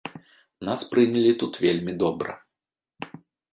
Нас прынялі тут вельмі добра.